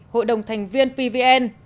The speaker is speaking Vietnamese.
hội đồng thành viên pvn